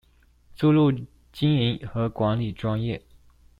注入經營和管理專業